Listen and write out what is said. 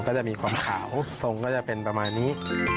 ก็จะมีความขาวทรงก็จะเป็นประมาณนี้